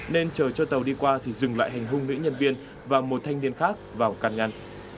nên chờ cho tàu đi qua thì dừng lại hành hung nữ nhân viên và một thanh niên khác vào can ngăn